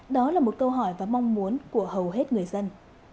đó là một câu hỏi và mong muốn của hầu hết người dân